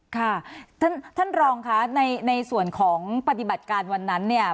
ค่ะท่านรองค่ะในส่วนของปฏิบัติการวันนั้นเนี่ย